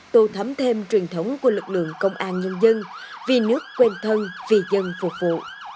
tô thấm thêm truyền thống của lực lượng công an nhân dân vì nước quên thân vì dân phục vụ